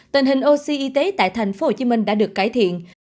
tình hình oxy y tế tại tp hcm đã được cải thiện